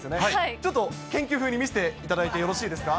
ちょっと研究風に見せていただいてよろしいですか。